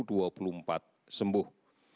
dua puluh empat sembuh